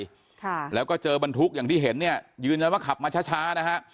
ค่ะแล้วก็เจอบรรทุกอย่างที่เห็นเนี่ยยืนยันว่าขับมาช้าช้านะฮะ